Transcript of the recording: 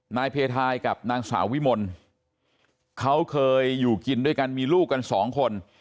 นายเพทายกับนางสาววิมลเขาเคยอยู่กินด้วยกันมีลูกกันสองคน